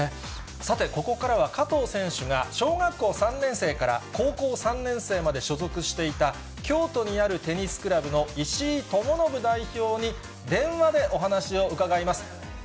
さて、ここからは加藤選手が小学校３年生から高校３年生まで所属していた京都にあるテニスクラブの石井知信代表に、電話でお話を伺います。